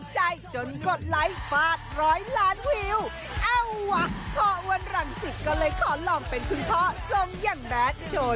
จแจริมจ